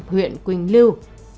huyện quỳnh lưu